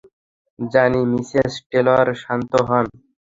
জানি, Mrs Taylor, শান্ত হন।